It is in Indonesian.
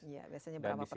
ya biasanya berapa persen